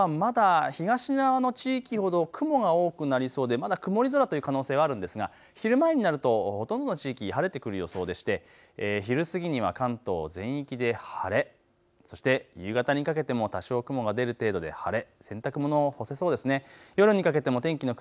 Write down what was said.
あす朝はまだ東側の地域ほど雲が多くなりそうでまだ曇り空という可能性はあるんですが昼前になるとほとんどの地域、晴れてくる予想でして昼過ぎには関東全域で晴れ、そして夕方にかけても多少、雲が出る程度で晴れ洗濯物干せそうですね。